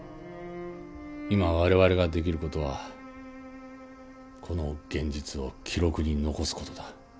今我々ができる事はこの現実を記録に残す事だ。